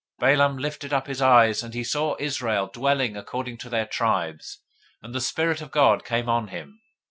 024:002 Balaam lifted up his eyes, and he saw Israel dwelling according to their tribes; and the Spirit of God came on him.